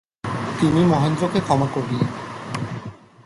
তিনি মহেন্দ্রকে ক্ষমা করিলেন।